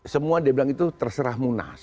semua dia bilang itu terserah munas